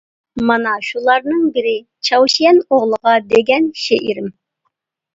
مانا شۇلارنىڭ بىرى «چاۋشيەن ئوغلىغا» دېگەن شېئىرىم.